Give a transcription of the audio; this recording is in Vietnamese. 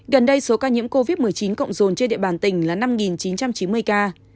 gần đây số ca nhiễm covid một mươi chín cộng dồn trên địa bàn tỉnh là năm chín trăm chín mươi ca